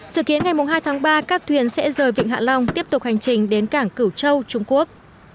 dự kiến ngày hai tháng ba các thuyền sẽ rời vịnh hạ long tiếp tục hành trình đến cảng cửu châu trung quốc